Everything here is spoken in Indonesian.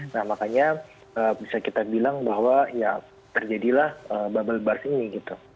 nah makanya bisa kita bilang bahwa ya terjadilah bubble burs ini gitu